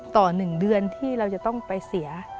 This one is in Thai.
๑เดือนที่เราจะต้องไปเสีย